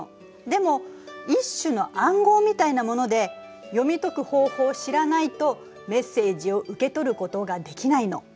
でも一種の暗号みたいなもので読み解く方法を知らないとメッセージを受け取ることができないの。